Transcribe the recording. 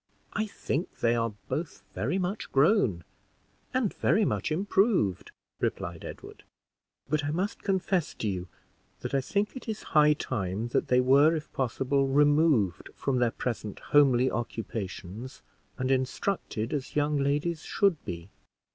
"I think they are both very much grown and very much improved," replied Edward; "but I must confess to you that I think it is high time that they were, if possible, removed from their present homely occupations, and instructed as young ladies should be."